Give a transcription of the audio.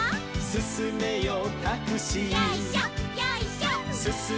「すすめよタクシー」